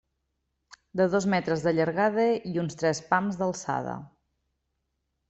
De dos metres de llargada i uns tres pams d'alçada.